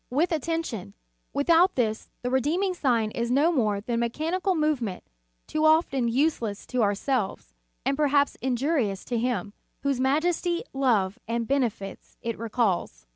With attention ; without this, the redeem ing sign is no more than a mechanical move o o ment, too often useless to ourselves, and perhaps injurious to Him, whose majesty, love and benefits it recalls.